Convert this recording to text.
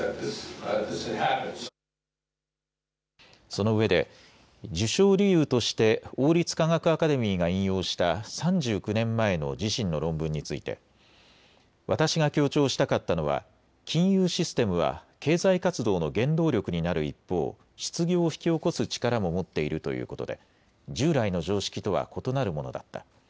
そのうえで受賞理由として王立科学アカデミーが引用した３９年前の自身の論文について私が強調したかったのは金融システムは経済活動の原動力になる一方、失業を引き起こす力も持っているということで従来の常識とは異なるものだった。